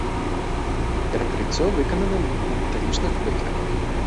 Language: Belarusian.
Перакрыццё выканана на металічных бэльках.